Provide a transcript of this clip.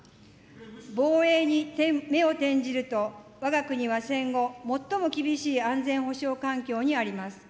防衛に目を転じると、わが国は戦後、最も厳しい安全保障環境にあります。